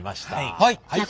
はい。